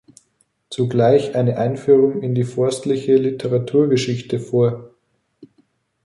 Zugleich eine Einführung in die forstliche Literaturgeschichte" vor.